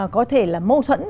có thể là mâu thuẫn